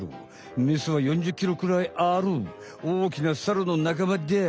メスは４０キロくらいあるおおきなサルの仲間だい！